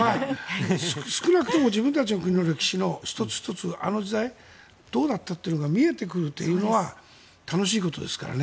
少なくとも自分たちの歴史の１つ１つあの時代どうだったのかというのが見えてくるというのは楽しいことですからね。